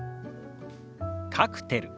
「カクテル」。